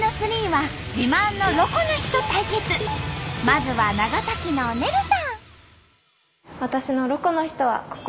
まずは長崎のねるさん。